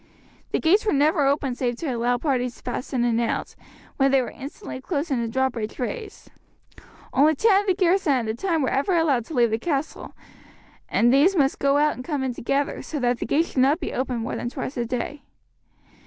The gates were never opened save to allow parties to pass in and out, when they were instantly closed and the drawbridge raised. Only ten of the garrison at a time were ever allowed to leave the castle, and these must go out and come in together, so that the gates should not be opened more than twice a day.